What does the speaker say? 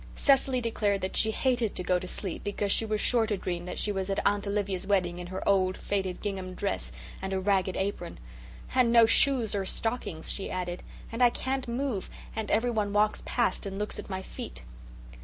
Cecily declared that she hated to go to sleep because she was sure to dream that she was at Aunt Olivia's wedding in her old faded gingham dress and a ragged apron. "And no shoes or stockings," she added, "and I can't move, and everyone walks past and looks at my feet."